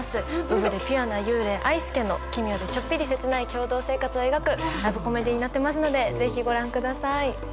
ウブでピュアな幽霊愛助の奇妙でちょっぴり切ない共同生活を描くラブコメディになっていますのでぜひご覧ください。